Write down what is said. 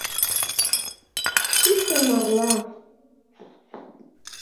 Чисте марла.